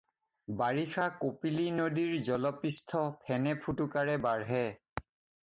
বাৰিষা কপিলী নদীৰ জলপৃষ্ঠ ফেনে-ফোটোকাৰে বাঢ়ে।